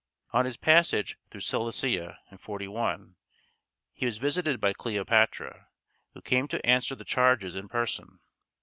On his passage through Cilicia, in 41, he was visited by Cleopatra, who came to answer the charges in person.